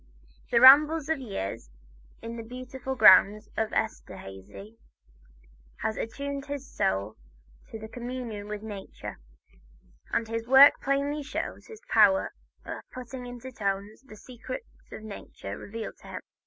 The rambles of years in the beautiful grounds of Esterhazy had attuned his soul to communion with nature, and this work plainly shows his power of putting into tones the secrets nature revealed to him.